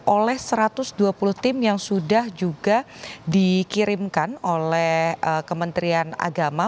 oleh satu ratus dua puluh tim yang sudah juga dikirimkan oleh kementerian agama